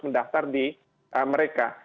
mendaftar di mereka